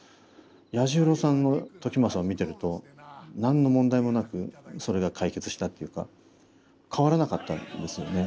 彌十郎さんの時政を見てると何の問題もなくそれが解決したっていうか変わらなかったんですよね。